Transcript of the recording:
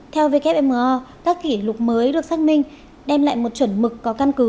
theo wmo các kỷ lục mới được xác minh đem lại một chuẩn mực có căn cứ